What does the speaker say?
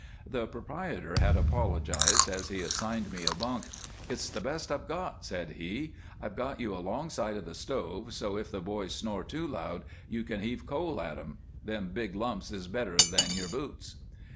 The proprietor had apologized as he assigned me a bunk. "It's the best I've got," said he. "I've put you alongside of the stove, so if the boys snore too loud you can heave coal on 'em. Them big lumps is better than your boots."